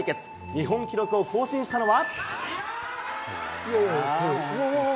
日本記録を更新したのは？